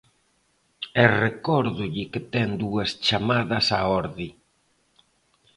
E recórdolle que ten dúas chamadas á orde.